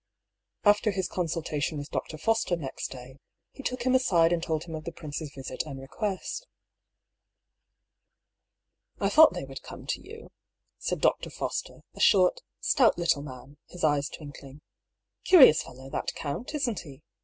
After his consultation with Dr. Foster next day, he took him aside and told him of the prince's visit and request. " I thought they would come to yon," said Dr. Fos ter, a short, stout little man, his eyes twinkling. Cu rious fellow, that count, isn't he